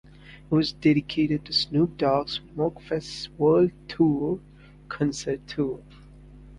It was dedicated to Snoop Dogg's "Smokefest World Tour" concert tour.